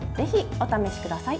お試しください。